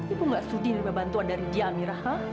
ibu gak sudi lebih bantuan dari dia amira